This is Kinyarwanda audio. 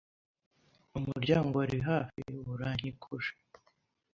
Umuryango wa hafi urankikuje